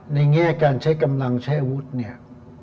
แง่การใช้กำลังใช้อาวุธเนี่ย